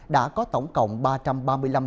đã có tổng cộng ba trăm linh m hai